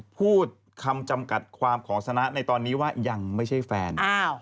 พูดคำจำกัดความของสนะในตอนนี้ว่ายังไม่ใช่แฟน